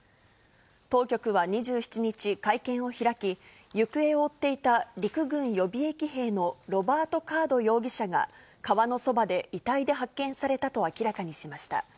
当局は２７日、会見を開き、行方を追っていた陸軍予備役兵のロバート・カード容疑者が、川のそばで遺体で発見されたと明らかにしました。